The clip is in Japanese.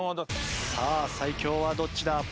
さあ最強はどっちだ？